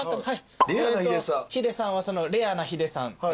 ヒデさんはレアなヒデさん。